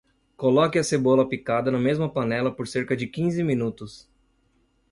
Coloque a cebola picada na mesma panela por cerca de quinze minutos.